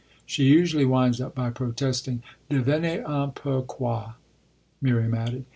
She usually winds up by protesting devinez un peu quoi!" Miriam added.